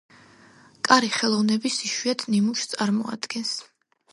კარი ხელოვნების იშვიათ ნიმუშს წარმოადგენს.